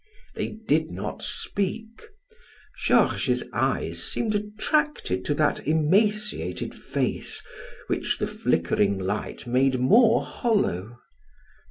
They did not speak, Georges's eyes seemed attracted to that emaciated face which the flickering light made more hollow.